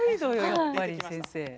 やっぱり先生。